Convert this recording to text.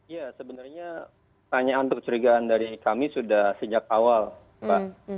ya sebenarnya tanyaan untuk curigaan dari kami sudah sejak awal mbak